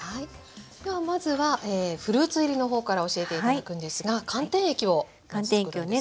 ではまずはフルーツ入りの方から教えて頂くんですが寒天液をつくるんですね。